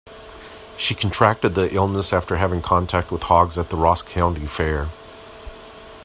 She contracted the illness after having contact with hogs at the Ross County Fair.